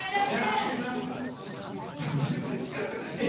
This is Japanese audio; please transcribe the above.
いやもう全然違くない？え！